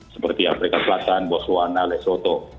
seperti afrika selatan boswana lesoto